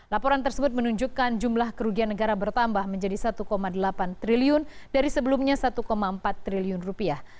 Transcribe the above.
laporan tersebut menunjukkan jumlah kerugian negara bertambah menjadi satu delapan triliun dari sebelumnya satu empat triliun rupiah